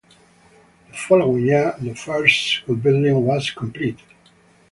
The following year, the first school building was completed.